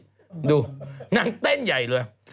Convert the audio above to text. ดูนางเต้นใหญ่เลย